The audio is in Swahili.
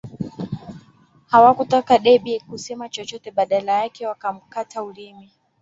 Hawakutaka Debby kusema chochote badala yake wakamkata ulimi